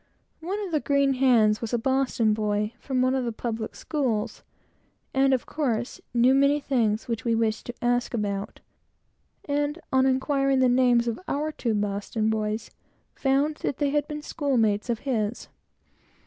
One of the green hands was a Boston boy, from one of the public schools, and, of course, knew many things which we wished to ask about, and on inquiring the names of our two Boston boys, found that they had been schoolmates of his.